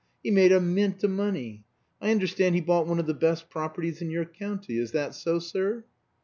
He made a mint o' money. I understand he bought one of the best properties in your county; is that so, sir?"